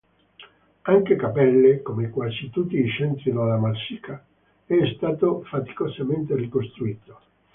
Anche Cappelle, come quasi tutti i centri della Marsica, è stato faticosamente ricostruito.